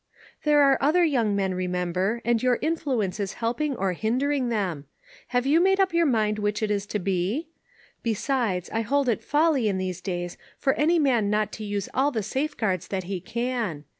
"There are other young men, remember, and your influence is helping or hindering them. Have you made up your mind which it is to be? Besides, I hold it folly in these days for any man not to use all the safeguards that he can.